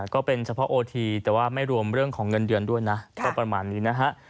ก็เป็นเฉพาะโอทีแต่ว่าไม่รวมเรื่องของเงินเดือนด้วยนะก็ประมาณนี้นะฮะ